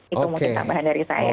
itu motif tambahan dari saya